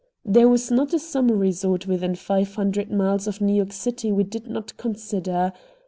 There was not a summer resort within five hundred miles of New York City we did not consider.